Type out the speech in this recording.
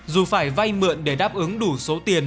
dù phải vay mượn để đáp ứng đủ số tiền